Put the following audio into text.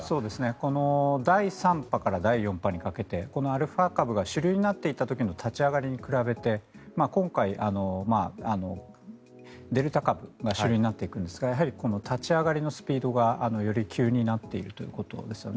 この第３波から第４波にかけてアルファ株が主流になっていた時の立ち上がりに比べて今回、デルタ株が主流になっていくんですがこの立ち上がりのスピードがより急になっているということですよね。